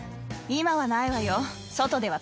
今はないわよ。